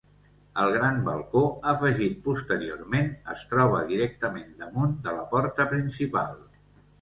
El gran balcó, afegit posteriorment, es troba directament damunt de la porta principal.